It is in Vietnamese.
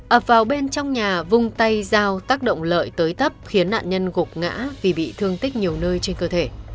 ập vào bên trong nhà vung tay dao tác động lợi tới tấp khiến nạn nhân gục ngã vì bị thương tích nhiều nơi trên cơ thể